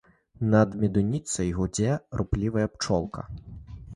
Над медуніцай гудзе руплівая пчолка.